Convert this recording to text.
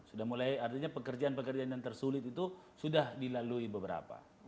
sudah mulai artinya pekerjaan pekerjaan yang tersulit itu sudah dilalui beberapa